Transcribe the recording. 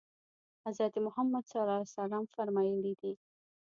حضرت محمد صلی الله علیه وسلم فرمایلي دي.